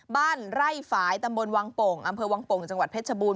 บ้านไร่ฝ่ายตำบลวังโป่งอำเภอวังโป่งจังหวัดเพชรบูร